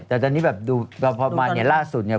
แต่ตอนนี้แบบดูพอมาเนี่ยล่าสุดเนี่ย